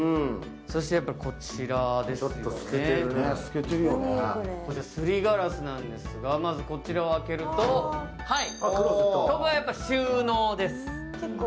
そしてやっぱりこちらですよね、すりガラスなんですけれどもこちらを開けると収納です。